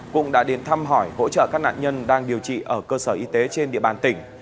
cũng đã đến thăm hỏi hỗ trợ các nạn nhân đang điều trị ở cơ sở y tế trên địa bàn tỉnh